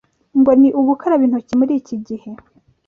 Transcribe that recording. ngo ni ugukaraba intoki muri iki gihe